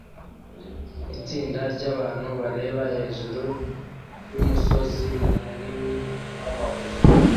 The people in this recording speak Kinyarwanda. itsinda ryabantu bareba hejuru yumusozi munini wamabuye